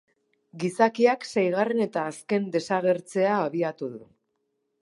Gizakiak seigarren eta azken desagertzea abiatu du.